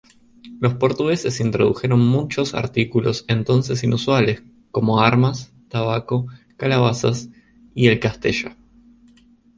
Los portugueses introdujeron muchos artículos entonces inusuales, como armas, tabaco, calabazas y el "castella".